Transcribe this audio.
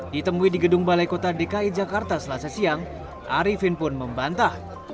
ditemui di gedung balai kota dki jakarta selasa siang arifin pun membantah